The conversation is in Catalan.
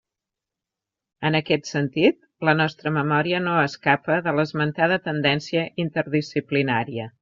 En aquest sentit, la nostra memòria no escapa de l'esmentada tendència interdisciplinària.